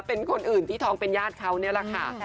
เป็นคนอื่นที่ท้องเป็นญาติเขานี่แหละค่ะ